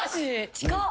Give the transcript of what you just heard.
近っ。